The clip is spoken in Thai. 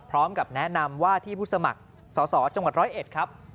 พร้อมกับแนะนำว่าที่ผู้สมัครสอสอจังหวัดร้อยเอ็ดครับ